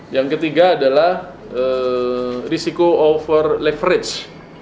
yang ketiga adalah risiko over leverage